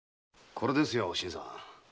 これですよ新さん。